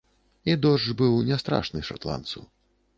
І дождж быў не страшны шатландцу.